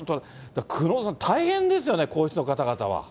久能さん、大変ですよね、皇室の方々は。